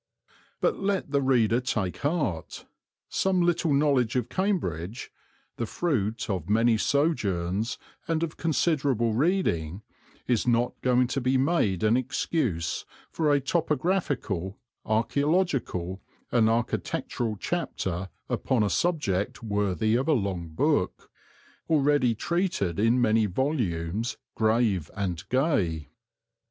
But let the reader take heart. Some little knowledge of Cambridge, the fruit of many sojourns and of considerable reading, is not going to be made an excuse for a topographical, archæological, and architectural chapter upon a subject worthy of a long book, already treated in many volumes, grave and gay.